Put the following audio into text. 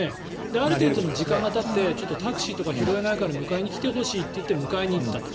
ある程度時間がたってタクシーとか拾えないから迎えに来てほしいといって迎えに行ったと。